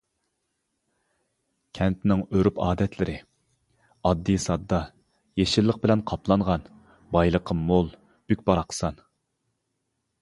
كەنتنىڭ ئۆرپ-ئادەتلىرى ئاددىي-ساددا، يېشىللىق بىلەن قاپلانغان، بايلىقى مول، بۈك-باراقسان.